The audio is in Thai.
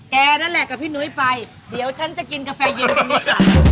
นั่นแหละกับพี่นุ้ยไปเดี๋ยวฉันจะกินกาแฟเย็นตรงนี้ค่ะ